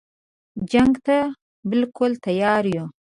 جنګ ته بالکل تیار یو.